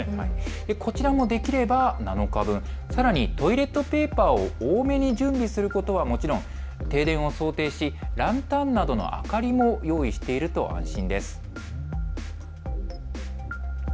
こちらもできれば７日分、さらにトイレットペーパーを多めに準備することはもちろん、停電を想定しランタンなどの明かりも用意していると安心です。